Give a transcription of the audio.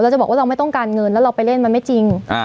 จะบอกว่าเราไม่ต้องการเงินแล้วเราไปเล่นมันไม่จริง